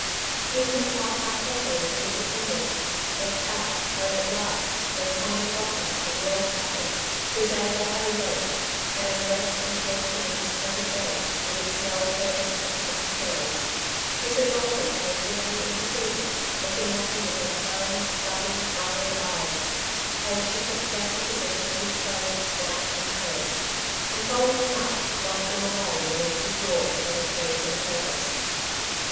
He knew not how carefully he was attended, or how, when at last, when Tom and the doctor and the old captain whose 2o6 " Two Sides to every Question^ aid they had invoked^ had undressed and placed him in his pleasant bed, with its snowy curtains and soft pillows, Mrs. Alton came gently in to see him, looking at him with her kind, loving, motherly eyes, as she took careful possession of his clothes, watch, and purse, and folding them up locked them away in an empty drawer she had cleared for the purpose.